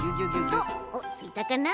おっついたかな？